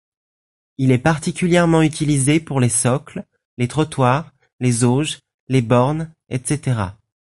Il est particulièrement utilisé pour les socles, les trottoirs, les auges, les bornes etc.